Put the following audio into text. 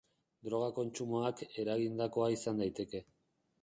Droga kontsumoak eragindakoa izan daiteke.